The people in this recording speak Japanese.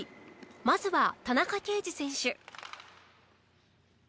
まずは田中刑事選手。